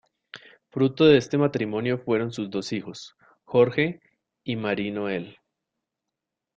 Fruto de este matrimonio fueron sus dos hijos: Jorge y Marie Noelle.